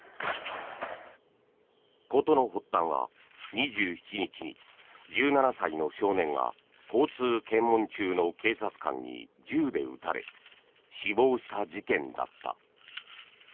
事の発端は２７日に１７歳の少年が交通検問中の警察官に銃で撃たれ死亡した事件だった。